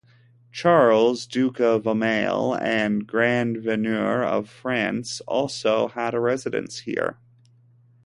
Charles, Duke of Aumale and Grand Veneur of France also had a residence here.